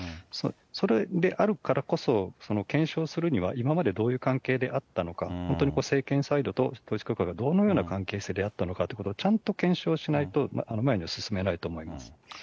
それであるからこそ、検証するには、今までどういう関係であったのか、本当に政権サイドと統一教会がどのような関係性であったのかということをちゃんと検証しないと、前には進めないと思います。